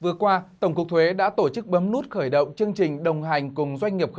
cùng doanh nghiệp nhật bản tổng cục thuế đã tổ chức bấm nút khởi động chương trình đồng hành cùng doanh nghiệp nhật bản